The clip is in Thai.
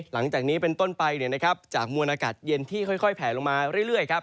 หลังจากนี้เป็นต้นไปจากมวลอากาศเย็นที่ค่อยแผลลงมาเรื่อยครับ